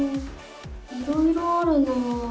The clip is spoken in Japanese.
いろいろあるなあ。